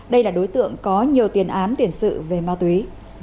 đây là đối tượng có nhiều tiền án tiền sự về ma túy